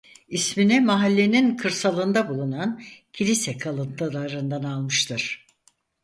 İsmini mahallenin kırsalında bulunan kilise kalıntılarından almıştır.